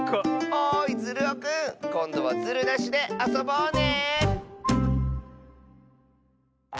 おいズルオくんこんどはズルなしであそぼうね！